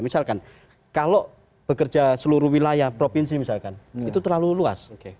misalkan kalau bekerja seluruh wilayah provinsi misalkan itu terlalu luas